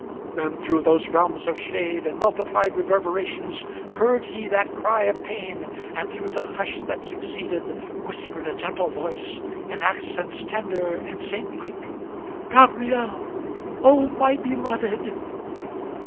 Then through those realms of shade, in multiplied reverberations, Heard he that cry of pain, and through the hush that succeeded Whispered a gentle voice, in accents tender and saint like, "Gabriel! O my beloved!"